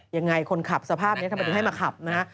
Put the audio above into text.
ยังไงคนขับสภาพนี้ทำไมถึงให้มาขับนะฮะ